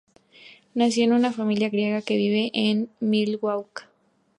Nació en una familia griega que vive en Milwaukee.